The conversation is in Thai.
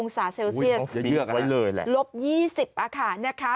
๒๐องศาเซลเซียสลบ๒๐ค่ะ